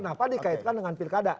kenapa dikaitkan dengan pilkada